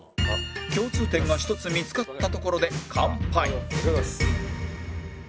共通点が１つ見つかったところで乾杯